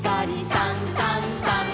「さんさんさん」